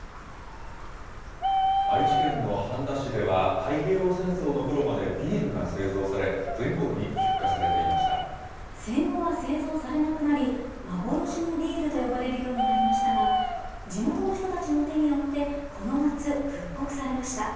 愛知県の半田市では、太平洋戦争のころまでビールが製造され、戦後は製造されなくなり、幻のビールと呼ばれるようになりましたが、地元の人たちの手によって、この夏、復刻されました。